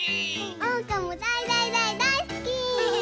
おうかもだいだいだいだいすき！